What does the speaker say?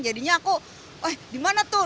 jadinya aku eh gimana tuh